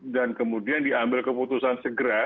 dan kemudian diambil keputusan segera